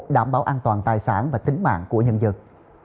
đảm bảo an toàn tài sản và tính mạng của nhân dân